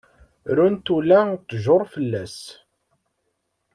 Runt ula tjur fell-as.